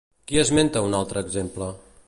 Qui esmenta un altre exemple?